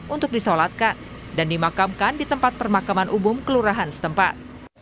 untuk disolatkan dan dimakamkan di tempat permakaman umum kelurahan setempat